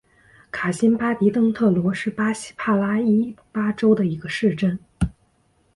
卡辛巴迪登特罗是巴西帕拉伊巴州的一个市镇。